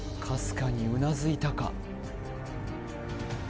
かすかにうなずいたか？